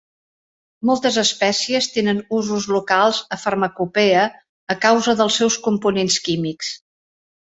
Moltes espècies tenen usos locals a farmacopea a causa dels seus components químics.